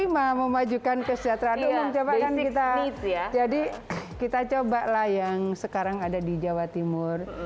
memajukan kesejahteraan umum coba kan kita jadi kita coba lah yang sekarang ada di jawa timur